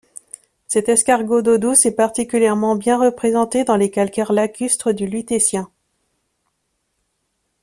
Cet escargot d'eau douce est particulièrement bien représenté dans les calcaires lacustres du Lutétien.